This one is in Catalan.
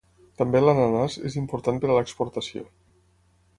També l'ananàs és important, per a l'exportació.